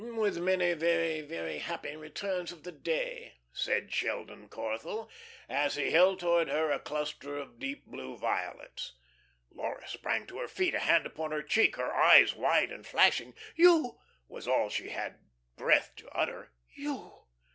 "With many very, very happy returns of the day," said Sheldon Corthell, as he held towards her a cluster of deep blue violets. Laura sprang to her feet, a hand upon her cheek, her eyes wide and flashing. "You?" was all she had breath to utter. "You?"